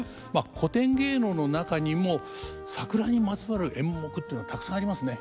古典芸能の中にも桜にまつわる演目っていうのたくさんありますね。